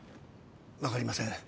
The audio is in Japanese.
分かりません。